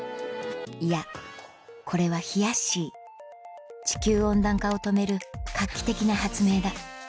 いやこれは地球温暖化を止める画期的な発明だ